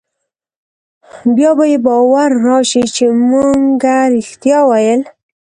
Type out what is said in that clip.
بيا به يې باور رايشي چې مونګه رښتيا ويل.